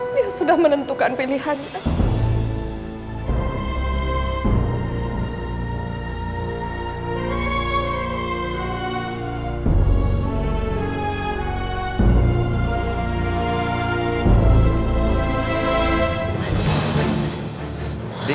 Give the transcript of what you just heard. dia sudah menentukan pilihannya